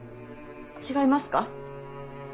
違いますか。